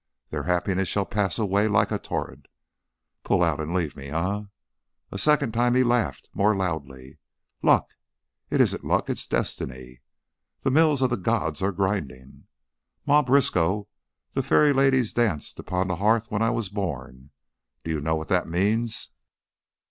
Their happiness shall pass away like a torrent.' Pull out and leave me, eh?" A second time he laughed, more loudly. "Luck? It isn't luck, it's Destiny. The mills of the Gods are grinding. Ma Briskow, the fairy ladies danced upon the hearth when I was born. Do you know what that means?"